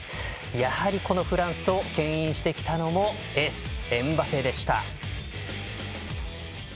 やはりこのフランスをけん引してきたのはエースのエムバペでした。